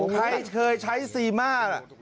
ใครเคยใช้ซีมา